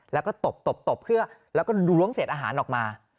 แล้วก็ตบตบเพื่อแล้วก็ล้วงเศษอาหารออกมา